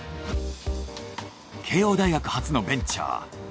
慶應大学発のベンチャー